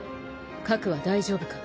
核は大丈夫か？